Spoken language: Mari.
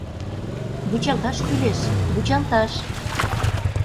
— Вучалташ кӱлеш, вучалташ!